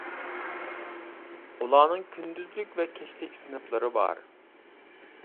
ئۇلارنىڭ كۈندۈزلۈك ۋە كەچلىك سىنىپلىرى بار.